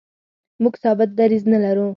موږ ثابت دریځ نه لرو.